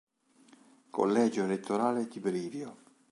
Collegio elettorale di Brivio